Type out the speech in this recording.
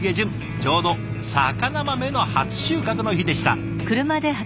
ちょうど肴豆の初収穫の日でした。